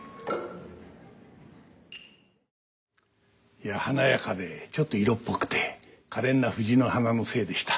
いや華やかでちょっと色っぽくてかれんな藤の花の精でした。